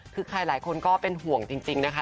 คือใครหลายคนก็เป็นห่วงจริงนะคะ